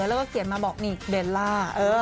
แล้วก็เขียนมาบอกนี่เบลล่า